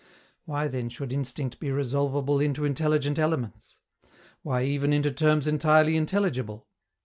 Why, then, should instinct be resolvable into intelligent elements? Why, even, into terms entirely intelligible?